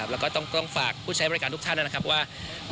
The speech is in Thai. แล้วก็ต้องฝากผู้ใช้บริการทุกท่านนะครับว่า